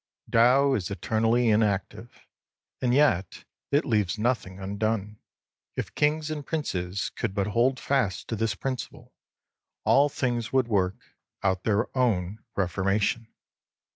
Tao is eternally inactive, and yet it leaves nothing undone. If kings and princes could but hold fast to this principle, all things would work 30 out their own relormation.